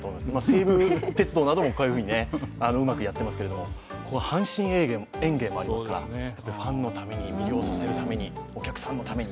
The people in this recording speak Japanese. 西武鉄道などもうまくやっていますけれども阪神園芸もありますからファンのために魅了させるためにお客さんのために。